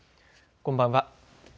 こんばんは。